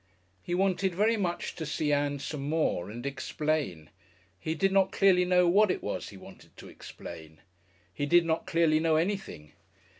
He wanted very much to see Ann some more and explain. He did not clearly know what it was he wanted to explain. He did not clearly know anything.